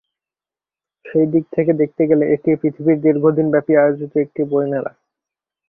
সেই দিক থেকে দেখতে গেলে এটি পৃথিবীর দীর্ঘদিনব্যাপী আয়োজিত একটি বইমেলা।